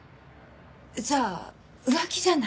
じゃあ浮気じゃない？